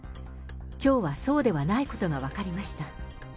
きょうはそうではないことが分かりました。